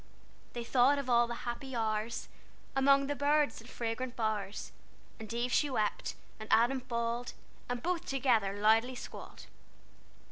They thought of all the happy hours Among the birds and fragrant bowers, And Eve she wept, and Adam bawled, And both together loudly squalled."